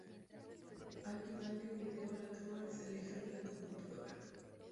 Al final del video, la cámara se aleja de la computadora...